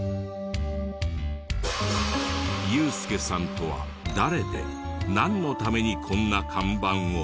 ユースケさんとは誰でなんのためにこんな看板を？